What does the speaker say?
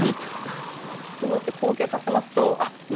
こうやって後傾させますとあっ